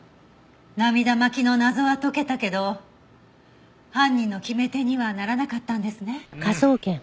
涙巻きの謎は解けたけど犯人の決め手にはならなかったんですね。